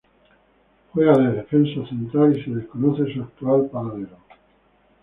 Juega de defensa central y se desconoce su actual paradero.